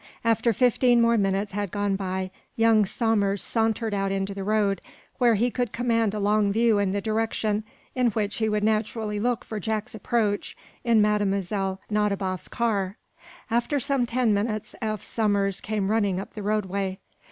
After fifteen more minutes had gone by young Somers sauntered out into the road, where he could command a long view in the direction in which he would naturally look for Jack's approach in Mlle. Nadiboff's car. After some ten minutes Eph Somers came running up the roadway.